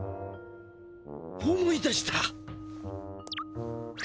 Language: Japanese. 思い出した！